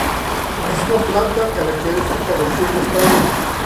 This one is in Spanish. Es una planta característica del sur de España.